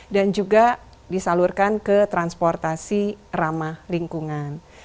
dan juga disalurkan ke transportasi ramah lingkungan